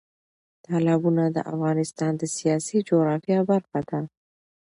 تالابونه د افغانستان د سیاسي جغرافیه برخه ده.